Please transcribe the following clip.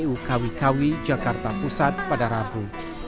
di kawi kawi jakarta pusat pada rabu